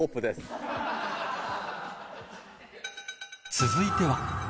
続いては